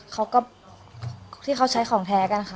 คนที่เค้าใช้ของแท้กันค่ะ